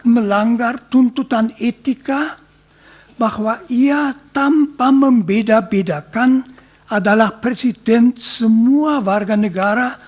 melanggar tuntutan etika bahwa ia tanpa membeda bedakan adalah presiden semua warga negara